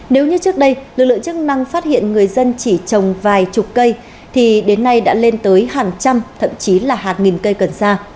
nếu như trước đây lực lượng chức năng phát hiện người dân chỉ trồng vài chục cây thì đến nay đã lên tới hàng trăm thậm chí là hàng nghìn cây cần sa